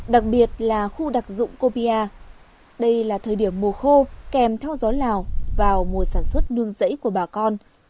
đặc biệt là khu đặc dụng copia đây là thời điểm mùa khô kèm theo gió lào vào mùa sản xuất nương rẫy của bà con